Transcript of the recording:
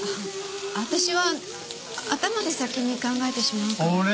私は頭で先に考えてしまうから。